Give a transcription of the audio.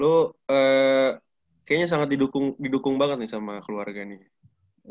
lo kayaknya sangat didukung banget nih sama keluarga nih